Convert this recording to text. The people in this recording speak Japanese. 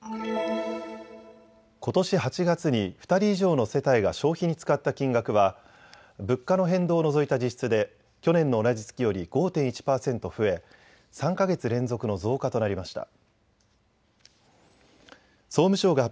ことし８月に２人以上の世帯が消費に使った金額は物価の変動を除いた実質で去年の同じ月より５．１％増え３か月連続の増加となりました。